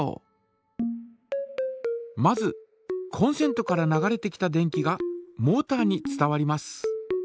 まずコンセントから流れてきた電気がモータに伝わります。